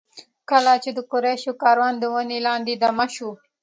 کله چې د قریشو کاروان د ونې لاندې دمه شو.